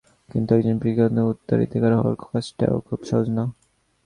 কিন্তু, একজন প্রকৃত উত্তরাধিকার হওয়ার কাজটাও খুব সহজ না।